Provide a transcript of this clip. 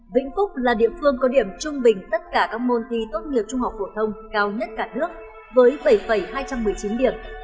vĩnh phúc là địa phương có điểm trung bình tất cả các môn thi tốt nghiệp trung học phổ thông cao nhất cả nước với bảy hai trăm một mươi chín điểm